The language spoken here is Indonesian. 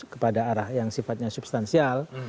kepada arah yang sifatnya substansial